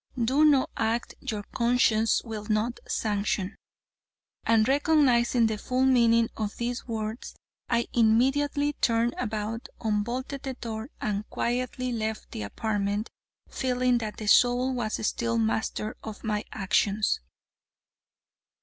"Do no act your conscience will not sanction." And recognizing the full meaning of these words, I immediately turned about, unbolted the door, and quietly left the apartment, feeling that the soul was still master of my actions.